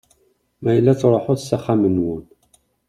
Ma yella truḥeḍ s axxam-nwen.